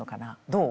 どう？